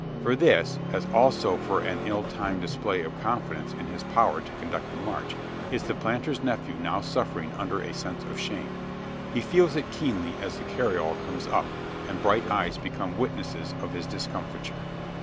For this as also for an ill timed display of confidence in his power to conduct the march is the planter's nephew now suffering under a sense of shame. He feels it keenly as the carriole comes up, and bright eyes become witnesses of his discomfiture.